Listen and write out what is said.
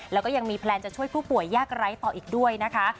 แล้วก็ยังมีแพลนจะช่วยผู้ป่วยยากไร้ต่ออีกด้วยนะคะ